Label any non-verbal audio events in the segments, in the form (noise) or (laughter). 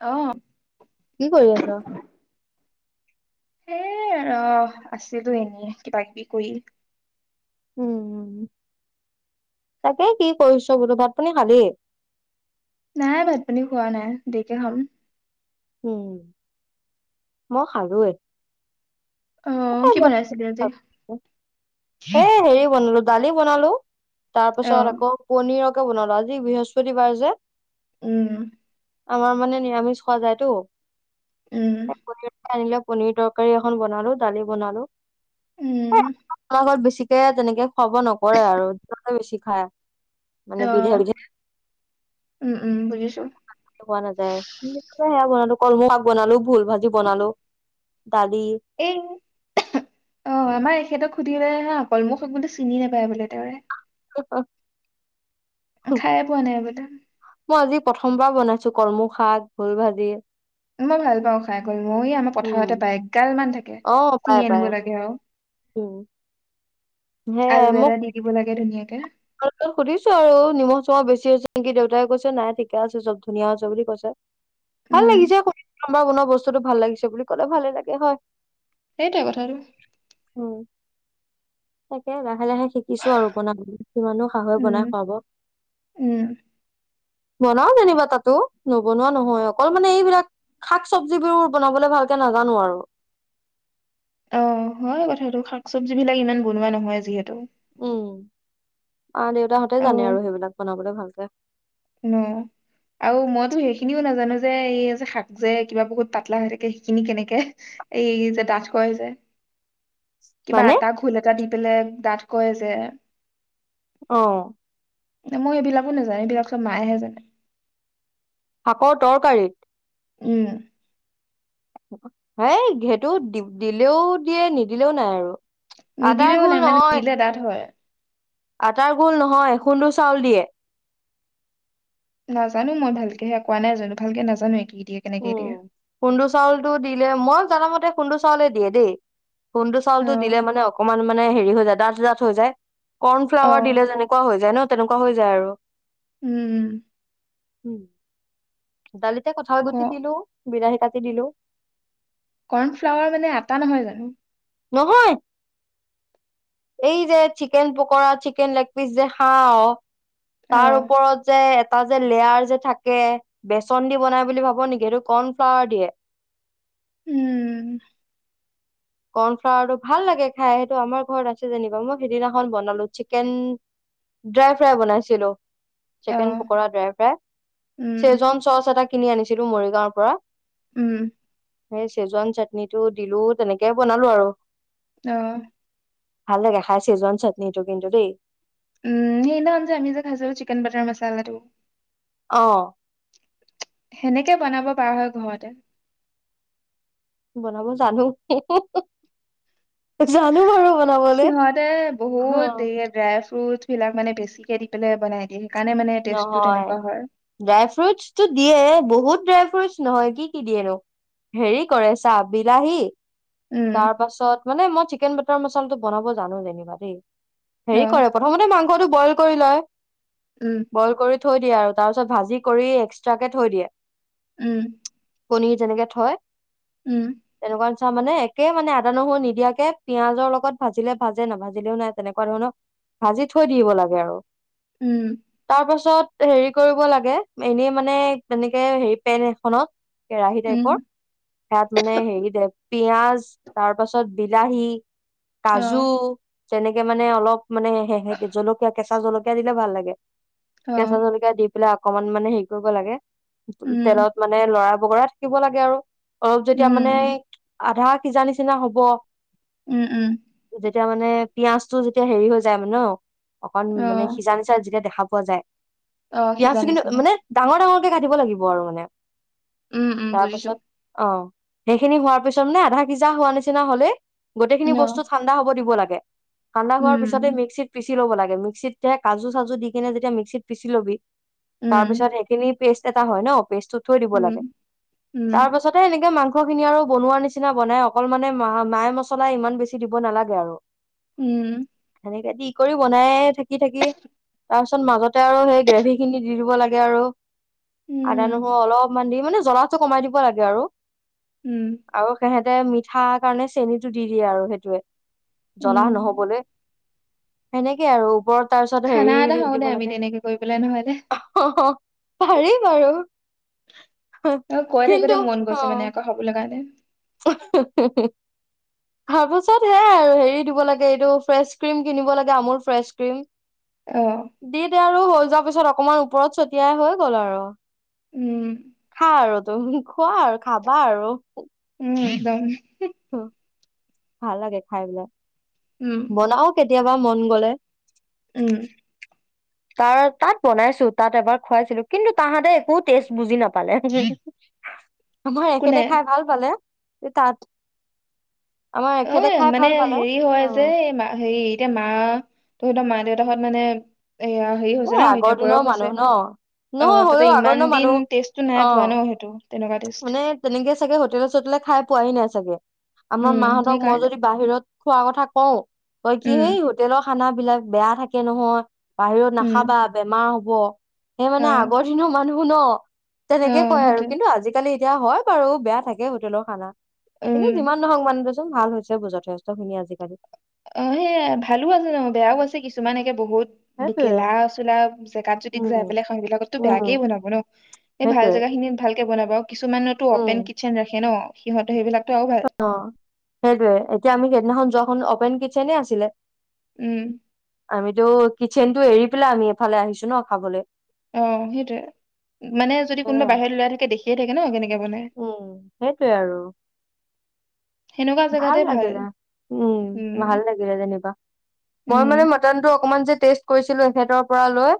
অ'। কি কৰি আছ? সেই ৰ'হ, আছিলোঁ এনেই কিবা-কিবি কৰি। উম - উম। তাকে কি কৰিছ বোলো। ভাত-পানী খালি? নাই, ভাত-পানী খোৱা নাই। দেৰিকে খাম। উম, মই খালোঁৱে। অ', কি বনাইছিলি আজি? এ হেৰি বনালোঁ, দালি বনালোঁ। তাৰ অ পাছত আকৌ পনীৰক টো বনালোঁ। আজি বৃহস্পতিবাৰ যে। উম। আমাৰ মানে নিৰামিষ খোৱা যায়তো। উম (unintelligible) আনিলে পনীৰ তৰকাৰী এখন বনালোঁ, দালি বনালোঁ। উম। ত বেছিকে তেনেকে খুৱাব নকৰে আৰু। (unintelligible) বেছি খায়। মানে অ বিধে-বিধে। উম - উম, বুজিছোঁ। টো খোৱা নাযায়। (inaudible) সেয়া বনালোঁ, কলমৌ শাক বনালোঁ, ভোল ভাজি বনালোঁ। এই অ' আমাৰ এখেতক সুধিলে হে অকল। মোক (unintelligible) চিনি নাপায় বোলে তেওঁৰে। হঁ-হঁ-। খায়ে পোৱা নাই আগতে। মই আজি প্ৰথমবাৰ বনাইছোঁ কলমৌ শাক, ভোল ভাজি। মই ভাল পাওঁ খাই কলমৌ। এই আমাৰ উম, পথাৰতে পায়। এগাল মান থাকে। পাই চিঙি পাই আনিব লাগে আৰু। অ'। আলু সেয়াই এটা দি দিব লাগে ধুনীয়াকে। তো সুধিছোঁ আৰু, নিমখ চখা বেছি হৈছে নেকি? দেউতাই কৈছে, নাই ঠিকে আছে চব, ধুনীয়া হৈছে বুলি কৈছে। ভাল উম লাগিছে (inaudible) আমাৰ বনোৱা বস্তুটো ভাল লাগিছে বুলি ক'লে, ভালে লাগে হয়। সেইটোৱে কথাটো। উম, তাকে লাহে - লাহে শিকিছোঁ আৰু বনা কিমাননো শাহুৱে উম বনাই খুৱাব। উম বনাও যেনিবা তাতো। নবনোৱা নহয়। অকল মানে এইবিলাক শাক চবজিবোৰ বনাবলৈ ভালকে নাজানো আৰু। অ হয় কথাটো শাক চবজি বিলাক ইমান বনোৱা নহয় যিহেতু। আহ দেউতাহঁতে জানে আৰু সেইবিলাক বনাবলৈ ভালকে। ন আৰু মইতো সেইখিনিও নাজানো যে এই যে শাক যে কিবা বহুত পাতলা হৈ থাকে সেইখিনি কেনেকে এই যে ডাঠ কয় যে। কিবা মানে এটা ঘোল এটা দি পেলাই ডাঠ কয় যে। অহ। মই এইবিলাকো নেজানো এইবিলাক চব মায়েহে জানে। শাকৰ তৰকাৰীত? উম। সেই সেইটো দি দিলেও দিয়ে নিদিলেও নাই আৰু। আটাৰ নিদিলেও ঘোল নাই মানে নহয় দিলে ডাঠ হয়। আটাৰ গোল নহয় খুন্দো চাউল দিয়ে। নাজানো মই ভালকে সেয়া কোৱা নাই জানো ভালকে নাজানো এক কি দিয়ে কেনেকে উম দিয়ে খুন্দু চাউলটো দিলে মই জানামতে খুন্দু চাউলে দিয়ে দেই। খুন্দু অ চাউলটো দিলে মানে অকণমান মানে হেৰি হৈ যায় ডাঠ ডাঠ হৈ যায়। অ কৰ্ণফ্লাৱাৰ দিলে যেনেকুৱা হৈ যায় ন তেনেকুৱা হৈ যায় আৰু। উম। উম দালিতে কঠাল ক গুটি দিলো, বিলাহী কাটি দিলো। কৰ্ণফ্লাৱাৰ মানে আটা নহয় জানো? নহয়। এই যে chicken pakora, chicken leg piece যে খাওঁ অ তাৰ ওপৰত যে এটা যে লেয়াৰ যে থাকে বেচন দি বনাই বুলি ভাব নেকি এইটো কৰ্ণফ্লাৱাৰ দিয়ে। উম। কৰ্ণফ্লাৱাৰটো ভাল লাগে খাই সেইটো আমাৰ ঘৰত আছে যেনিবা মই সিদিনাখন বনালো চিকেন ড্ৰাই ফ্ৰাই বনাইছিলো। অ chicken pakora, dry fry um schezwan sauce এটা কিনি আনিছিলো মৰিগাঁৱৰ পৰা। উম। এই চেজৱান চাটনিটো দিলো তেনেকে বনালো আৰু। আহ। ভাল লাগে খাই চিজৱান চাটনিটো কিন্তু দেই। উম সেইদিনাখন যে আমি যে খাইছো চিকেন বাটাৰ মচালাটো। অহ। সেনেকে বনাব পাৰা হয় ঘৰতে। বনাব জানো। জানো বাৰু বনাবলে সিহঁতে অ বহুত দেৰি ড্ৰাই ফ্ৰুট বিলাক মানে বেছিকে দি পেলাই বনাই দিয়ে। সেইকাৰণে মানে টেষ্টটো নহয় তেনেকুৱা হয় ড্ৰাই ফ্ৰুটছটো দিয়ে বহু বহুত ড্ৰাই ফ্ৰুটছ নহয় কি কি দিয়েনো, হেৰি কৰেছা বিলাহী উম তাৰ পাছত মানে মই চিকেন বাটাৰ মচলাটো বনাব জানো যেনিবা দেই। অ হেৰি কৰে প্ৰথমতে মাংসটো বইল কৰি লয় উম বইল কৰি থৈ দিয়ে আৰু তাৰপিছত ভাজি কৰি এক্সট্ৰাকে থৈ দিয়ে। উম। পনীৰ যেনেকে থয় উম। আচ্ছা মানে একে মানে আদা, নহৰু নিদিয়াকে পিয়াজৰ লগত ভাজিলে ভাজে না ভাজিলেও নাই তেনেকুৱা ধৰণৰ। ভাজি থৈ দিব লাগে আৰু উম। তাৰ পাছত হেৰি কৰিব লাগে এনেই মানে এনেকে হেৰি পেন এখনত কেৰাহী উম টাইপৰ সেয়াত মানে হেৰি দে পিয়াজ তাৰ পাছত বিলাহী অ কাজু। তেনেকে মানে অলপ মানে জলকীয়া কেঁচা জলকীয়া দিলে ভাল লাগে। অ কেঁচা জলকীয়া দি পেলাই অকমান মানে হেৰি কৰিব লাগে উম তেলত মানে লৰা বগৰা থাকিব লাগে আৰু অলপ যেতিয়া মানে উম আধা সিজা নিচিনা হব উম উম তেতিয়া মানে পপিয়াঁজটো যেতিয়া হেৰি হৈ যায় মানে ন অকন অ মানে সিজা নিচা যেতিয়া দেখা পোৱা যায় অ পিয়াজ সিজা কিন্তু নিচিনা মানে ডাঙৰ ডাঙৰ কাটিব লাগিব আৰু মানে উম উম তাৰ বুজিছো পাছত অ সেইখিনি হোৱাৰ পিছত মানে আধা সিজা হোৱা নিচিনা হলে গোটেইখিনি অ বস্তু ঠাণ্ডা হব দিব লাগে। ঠাণ্ডা হোৱাৰ পিছতে উম মিক্সিত পচি লব লাগে মিক্সিততে কাজু চাজু দি কিনে যেতিয়া মিক্সিত পিচি ল'বি। তাৰ উম পিছত সেইখিনি পেষ্ট এটা হয় ন। প্ৰেছটো থই দিব উম লাগে উম তাৰ পাছতে এনেকে মাংস খিনি আৰু বনোৱাৰ নিচিনা বনাই অকল মানে ম মাই মছলা ইমান বেছি দিব নালাগে আৰু উম। এনেকে দি কৰি বনাই থাকি থাকি। তাৰ পিছত মাজতে আৰু সেই গ্ৰেভি খিনি দি দিব লাগে আৰু আদা উম নহৰু অলপমান দি। মানে জ্বলাটো কমাই দিব লাগে আৰু উম আৰু সিহ। তেতে মিঠা কাৰণে চেনটো দি দিয়ে আৰু সেইটোৱে জ্বলা উম নহবলৈ। সেনেকে আৰু ওপৰত তাৰ পিছত খানা এটা হেৰি। হওঁ দে দিব আমি লাগে তেনেকে কৰি পেলাই নহ'লে অ পাৰি বাৰু অ কৈ থাকোতে মন গৈছে মানে আকৌ খাবলৈ কাৰণে। (unintelligible) তাৰ পাছত সেয়াই আৰু হেৰি দিব লাগে এইটো ফ্ৰেচ ক্ৰীম কিনিব লাগে আমল ফ্ৰেচ ক্ৰীম অ দি দে আৰু হৈ যোৱাৰ পিছত অকমান ওপৰত ছটিয়াই হৈ গ'ল আৰু উম খা আৰু তুমি খোৱা আৰু খাবা আৰু উম একদম। উ ভাল লাগে খাই পেলাই। উম বনাও কে কেতিয়াবা মন গ'লে উম। তাৰ তাত বনাইছো তাত এবাৰ খুৱাইছিলো কিন্তু তাহাঁতে একো টেষ্ট বুজি নাপ ালে মই একেতে কোনে খাই ভাল পালে তে তাত আমাৰ অ এখেতে খাই মানে ভাল পালে। হেৰি হয় অ যে হেৰি এতিয়া মা তত মা দেউতাহঁত মানে এয়া হেৰি হৈছে এই ন আগৰ এতিয়া বয়স দিনৰ হৈছে। মানুহ ন অ নহয় তাতে হ'লেও আগৰ ইমান দিনৰ দিন মানুহ টেষ্টটো নাই অ পোৱা ন সেইটো। তেনেকুৱা টেষ্ট মানে তেনেকে চাগে হোটেলে চোটেলে খাই পোৱাহি নাই চাগে? আমাৰ উম মাহতক মই সেইকাৰণে যদি বাহিৰত খোৱা কথা কও, তই কি উম সেই হোটেলৰ খানা বিলাক বেয়া থাকে নহয়। বাহিৰত উম নাখাবা বেমাৰ হব, সেই মানে অ আগৰ দিনৰ মানুহ ন। অ তেনেকে কয় আৰু। সেইটোৱে কিন্তু আজিকালি এতিয়া হয় বাৰু বেয়া থাকে হোটেলৰ খানা। উম কিন্তু যিমান নহওক মান দেচোন ভাল হৈছে বোৰ যথেষ্টখিনি আজিকালি। অ সে ভালো আছে ন বেয়াও আছে কিছুমান একে বহুত সেইটোয়ে গেলা চোলা জেগাত যদি যাই উম বেললে খাবিলাকতো বেয়াকে উম বনাব ন এই ভাল সেইটোয়ে জেগা খিনিত ভালকে বনাবা। আৰু কিছুমানতো অপেন উম কিটচেন ৰাখে ন সিহঁত সেইবিলাক অ সেইটোৱে, এতিয়া আমি সেইদিনাখন যোৱাখন অপেন কিচেনে আছিলে। উম আমিতো কিচনতটো এৰি পেলাই আমি এফালে আহিছো ন খাবলৈ অ সেইটয়ে মানে যদি কোনোবা সেয়াই বাহিৰ লৈ থাকে দেখিয়ে থাকে ন কেনে উম সেইটোৱে আৰু সেনেকুৱা ভাল জেগাতে লাগিলা উম ভাল লাগিলে যেনিবা। মই উম মানে মটনটো অকমান যে টেষ্ট কৰিছিলো এখতৰ পৰা লৈ।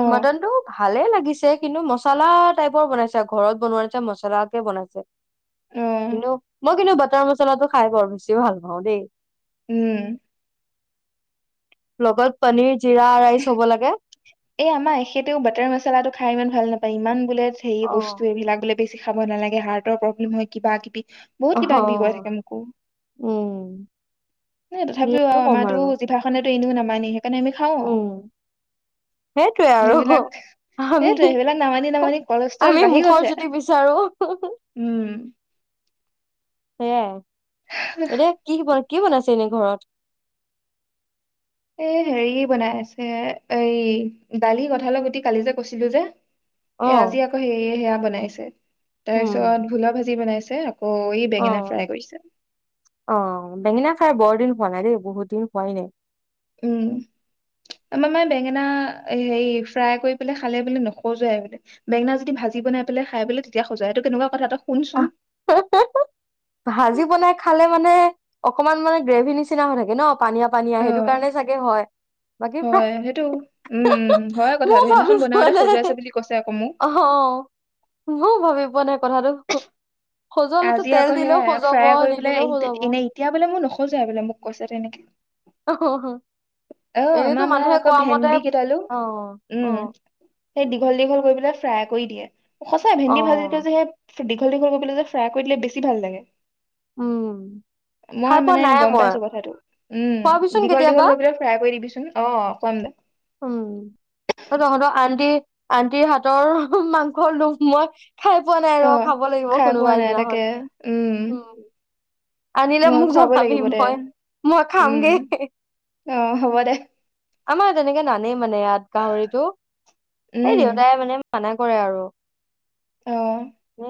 অ মটনটো ভালে লাগিছে কিন্তু মচলা টাইপৰ বনাইছে ঘৰত বনোৱা মছলাকে বনাইছে। অ কিন্তু মই কিন্তু বাটাৰ মচলাটো খাই বৰ বেছি ভাল পাওঁ দেই। উম। লগত পনিৰ জিৰা ৰাইচ হ'ব লাগে। এ আমাৰ এখেতেও বাটাৰ মচালাটো খাই ইমান ভাল নাপায় ইমান বোলে হেৰি অ বস্তু এইবিলাক বোলে। বেছি খাব নালাগে হাৰ্টৰ প্ৰব্লেম হয় কিবা কিবি অ বহুত কিবা কিবি কৈ থাকে মোকো। উম ন তথাপিও আৰু কিনো ক'ম আমাৰো জিভাখনেতো এনেও নামানি সেইকাৰণে আমি খাওঁ। উম সেইটোৱে আৰু। আমি সেইটো সেইবিলাক নামানি নামানি কলেষ্ট্ৰল আমি বাঢ়ি মুখৰ গৈছে জুতি বিচাৰো উম। (inaudible) সে এতি কি কি বনাইছে এনেই ঘৰত? এ হেৰি বনাই আছে এই দালি কথালত উটি কালি যে কৈছিলো যে এ অহ, আজি আকৌ সেয়ে সেয়া বনাইছে, তাৰপিছত ভোলৰ ভাজি বনাইছে। আকৌ ই অ বেঙেনা ফ্ৰাই কৰিছে অ বেঙেনা খাই বৰদিন হয় নাই দেই বহুত দিন খোৱাই নাই। উম আমাৰ মানে বেঙেনা হেৰি ফ্ৰাই কৰি পেলাই খালে বোলে নখজোৱাই বোলে বেঙেনা যদি ভাজি ভাজি বনাই পেলাই খাই বোলে, তেতিয়া খজোৱাই এইটো কেনেকুৱা কথা তই শুনচোন। ভাজি বনাই খালে মানে, অকমান মানে গ্ৰেভি নিচিনা হৈ থাকে ন? পানীয়া পানিয় সেইটো অ কাৰণে চাগে হয় বাকী হয় সেইটো, উমম হয় ময়ো কথাটো ভাবি সেইদিনাখন বনাওতে সজুৱাইছে বুলি কৈছে আকৌ মোক। মই ভাবি পোৱা নাই কথাটো, খজোৱালেটো তেল দিলেও সেয়াই সজাব ফ্ৰাই কৰি পেলাই নিদিলেও এইটো সজাব এনেই, এতিয়া বোলে মোক নখযোৱাই বোলে মোক কৈছে তেনেকে। হ হ অ আমাৰ মায়ে আকৌ ভেন্দি কেইটালো অহ, উম অহ, সেই দীঘল দীঘল কৰি পেলাই ফ্ৰাই কৰি দিয়ে সঁচাই ভেন্দি ভাজিে যে অহ, সেই দীঘল-দীঘল কৰি পেলাই যে ফ্ৰাই কৰি দিলে বেছি ভাল লাগে। উম, মই খাই পোৱা মানে নাই গম মই পাইছো কথাটো উম খোৱাবিচোন দীঘল কেতিয়াবা। দীঘল কৈ পেলাই কৈ দিবিচোন অ কম দে উম তহঁতৰ আন্টি আন্টিৰ হাতৰ মাংস লুভ মই খাই পোৱা নাই অ ৰ খাব লাগিব খাই পোৱা কোনোবাই নাই দিনা তাকে উম। আনিলে নহ মোক খুৱাবই জনাবি লাগিব দে মই মই খামগে। উম অ হ'ব দে আমাৰ তেনেকে নানেই মানে এৱাত গাহৰিতটো সেই উম দেউতাই মানে মানা কৰে আৰু। অ।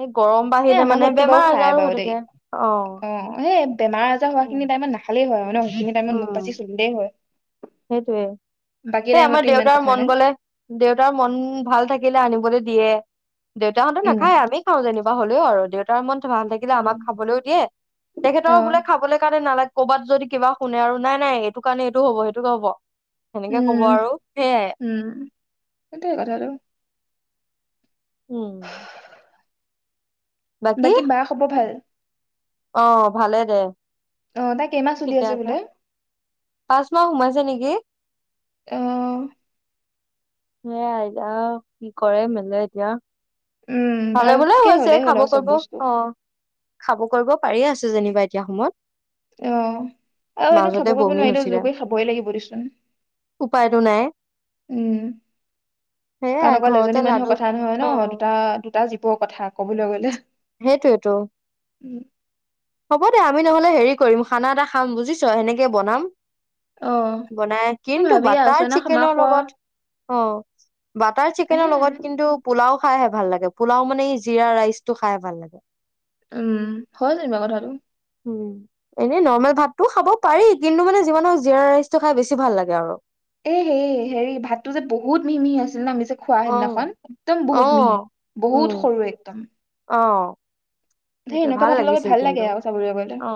এই গৰম বাঢ়িলে আমাৰ মানে ঘৰততো বেমাৰ বাৰু খাই আজাৰো হৈ বাৰু দেই থাকে অ'। অ এই বেমাৰ আজাৰ উম, হোৱাখিনি টাইম নখালেই হয়ানে সেইখিনি টাইমত মোক বাছি চলিলে হয়। সেইটোৱে বাকী সেই টাইমতো আমাৰ ইমান দেউতাৰ কথা মন নাই গলে দেউতাৰ মন ভাল থাকিলে আনিবলৈ দিয়ে দেউতাহঁতো উম নাখায় আমি খাওঁ যেনিবা হ'লেও আৰু দেউতাৰ মন ভাল থাকিলে উম আমাক খাবলৈও দিয়ে অ তেখেতৰ বোলে খাবলৈ কাৰণে নালাগে। ক'ৰবাত যদি কিবা শুনে আৰু নাই নাই এইটো কাৰণে এইটো হ'ব সেইটো হ'ব সেনেকে উম কব আৰু সেয়াই উম সেইটোৱে কথাটো উম বাকী বা খবৰ ভাল? অ ভালে দে অ তাই কেইমাহ চলি ঠিকে আছে বোলে পাচ মাহ সোমাইছে নেকি আহ সেই আতা কি কৰে মেললে এতিয়া উম ভালে বোলেও আ ভালকে হৈছে হলেই হ'ল খাব আৰু চব কৰিব অ বস্তু খাব কৰিব পাৰিয়ে আছে যেনিবা এতিয়া সময়ত। আহ আৰু এনেও খাব মাজতে কৰিব বমি নোৱাৰিলে হৈছিলে জোৰ কৰি খাবই লাগিব দেচোন। উপায়তো নাই উম কাৰণ সেয়াই অকল ঘৰতে এজনী লাডু মানুহৰ কথা নহয় অ ন, দুটা দুটা জীৱৰ কথা কবলৈ গলে। সেইটোৱে টো উম হ'ব দে আমি নহ'লে হেৰি কৰিম খানা এটা খাম বুজিছ সেনেকে বনাম। অ বনাই মই কিন্তু ভাবিয়ে বাটাৰ আছো ন আমাৰ চিকেনৰ খোৱা লগত অ বাটাৰ হে চিকেনৰ লগত কিন্তু পোলাও খাইহে ভাল লাগে পোলাও মানে এই জিৰা ৰাইচ টো খাই ভাল লাগে। উম হয় যেনিবা কথাটো। উম এনেই নৰ্মেল ভাততো খাব পাৰি কিন্তু মানে যিমান নহওক জীৰা ৰাইচটো খাই বেছি ভাল লাগে আৰু। এ হেই হেৰি ভাতটো যে বহুত মিহি-মিহি আছিল ন মিছ খোৱা অ সেইদিনাখন একদম বহুত মিহি উম বহুত সৰু একদম। অ। সেই সেইটোয়ে এনেকুৱা ভাল ভাতৰ লগত লাগিছিল লাগে কিন্তু আৰু চাবলৈ গ'লে অ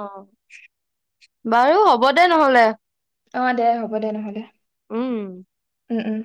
বাৰু হ'ব দে হব নহ'লে অ দে হ'ব দে নহ'লে উম উম উম।